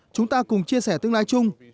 chúng ta cùng chia sẻ tương lai chung